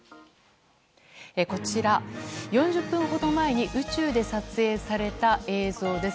こちら、４０分ほど前に宇宙で撮影された映像です。